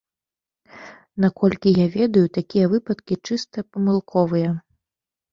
Наколькі я ведаю, такія выпадкі чыста памылковыя.